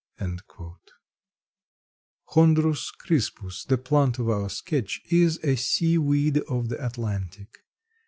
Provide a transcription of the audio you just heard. Chondrus crispus, the plant of our sketch, is a sea weed of the Atlantic.